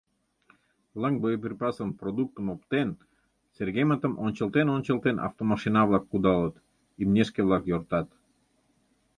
Лыҥ боеприпасым, продуктым оптен, Сергеймытым ончылтен-ончылтен, автомашина-влак кудалыт, имнешке-влак йортат.